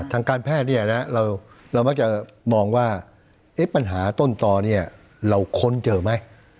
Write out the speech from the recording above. ทางการแพทย์เรามาจะมองว่าปัญหาต้นตอนนี้เราค้นเจอไหม